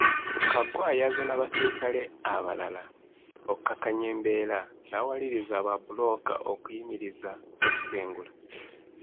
Kaggwa yazze n’abaserikale abalala okukakkanya embeera n’awaliriza babbulooka okuyimiriza okusengula